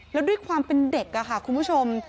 แล้วด้วยความเป็นเด็กค่ะคุณผู้ชม